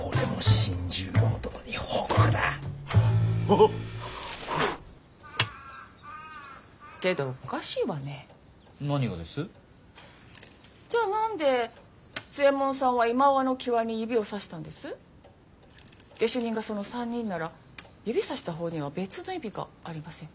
下手人がその３人なら指さした方には別の意味がありませんか？